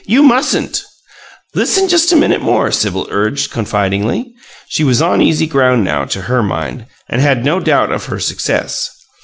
"You mustn't " "Listen just a minute more," Sibyl urged, confidingly. She was on easy ground now, to her own mind, and had no doubt of her success.